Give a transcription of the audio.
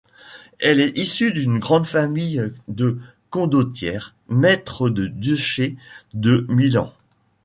Elle est issue d'une grande famille de condottieres, maîtres du duché de Milan.